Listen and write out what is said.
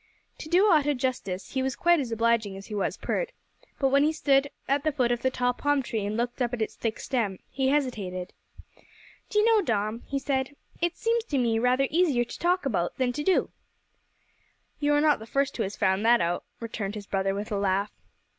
To do Otto justice, he was quite as obliging as he was pert; but when he stood at the foot of the tall palm tree and looked up at its thick stem, he hesitated. "D'you know, Dom," he said, "it seems to me rather easier to talk about than to do?" "You are not the first who has found that out," returned his brother, with a laugh.